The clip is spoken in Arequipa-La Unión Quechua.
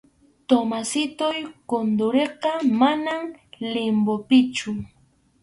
Tomasitoy Condoriqa, manam limbopichu.